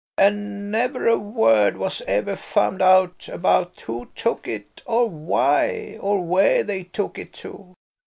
And never a word was ever found out about who took it, or why, or where they took it to.